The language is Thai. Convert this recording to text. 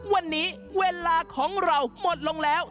วันนี้เวลาของเราหมดลงแล้ว